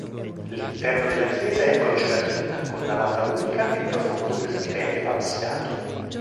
L'interno della chiesa è a croce latina, con navata unica e profondo presbiterio absidato.